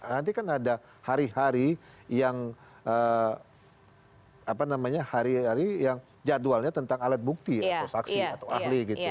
nanti kan ada hari hari yang jadwalnya tentang alat bukti atau saksi atau ahli gitu ya